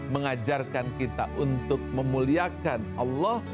mengajarkan kita untuk memuliakan allah